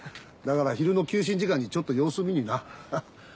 だから昼の休診時間にちょっと様子を見にな。